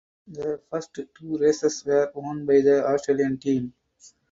The first two races were won by the Australian team.